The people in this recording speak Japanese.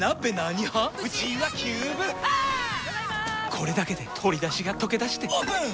これだけで鶏だしがとけだしてオープン！